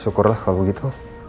syukurlah kalau gitu